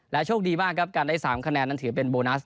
โชคดีมากครับการได้๓คะแนนนั้นถือเป็นโบนัส